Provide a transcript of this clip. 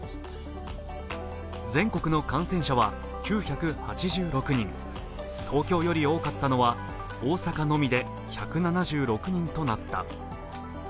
全国の感染者は９８６人、東京より多かったのは大阪のみで１７６人となった。